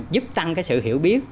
giúp tăng cái sự hiểu biết